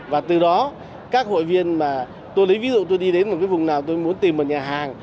và từ đó các hội viên mà tôi lấy ví dụ tôi đi đến một cái vùng nào tôi muốn tìm một nhà hàng